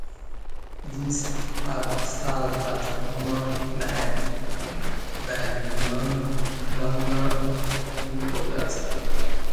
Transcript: These are stars that formed by the merger of two other stars.